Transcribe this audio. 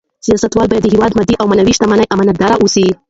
سیاستوال باید د هېواد د مادي او معنوي شتمنیو امانتدار اوسي.